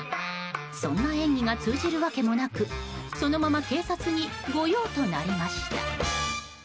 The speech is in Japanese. そんな演技が通じるわけもなくそのまま警察に御用となりました。